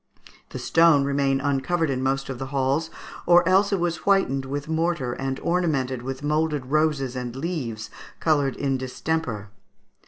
The stone remained uncovered in most of the halls, or else it was whitened with mortar and ornamented with moulded roses and leaves, coloured in distemper.